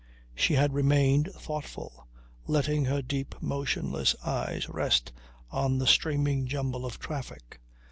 She had remained thoughtful, letting her deep motionless eyes rest on the streaming jumble of traffic.